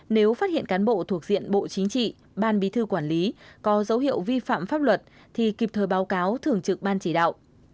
nếu phát hiện cán bộ thuộc diện bộ chính trị ban bí thư quản lý có dấu hiệu vi phạm pháp luật thì kịp thời báo cáo thường trực ban chỉ đạo